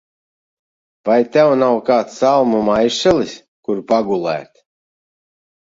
Vai tev nav kāds salmu maišelis, kur pagulēt?